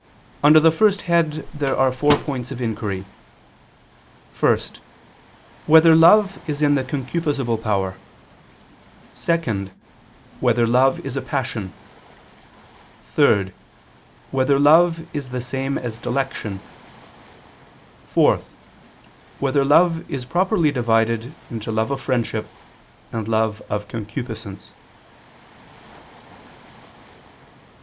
Under the first head there are four points of inquiry: (1) Whether love is in the concupiscible power? (2) Whether love is a passion? (3) Whether love is the same as dilection? (4) Whether love is properly divided into love of friendship, and love of concupiscence?